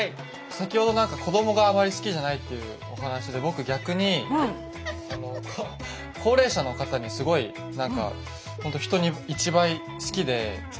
先ほどなんか子どもがあまり好きじゃないっていうお話で僕逆に高齢者の方にすごいなんかほんと人に一倍好きで。